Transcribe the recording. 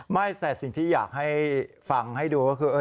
ไม่แต่สิ่งที่อยากให้ฟังให้ดูก็คือ